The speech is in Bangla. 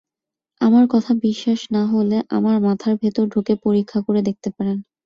আমার কথা বিশ্বাস না হলে আমার মাথার ভেতর ঢুকে পরীক্ষা করে দেখতে পারেন।